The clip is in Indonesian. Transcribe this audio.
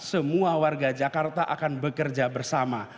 semua warga jakarta akan bekerja bersama